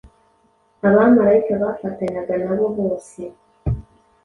Abamarayika bafatanyaga na bo bose;